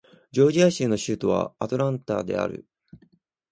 ジョージア州の州都はアトランタである